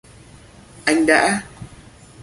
Anh đã